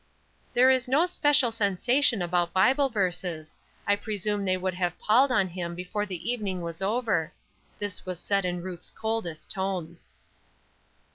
"There is no special sensation about Bible verses. I presume they would have palled on him before the evening was over." This was said in Ruth's coldest tones.